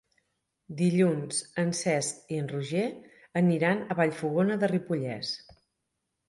Dilluns en Cesc i en Roger aniran a Vallfogona de Ripollès.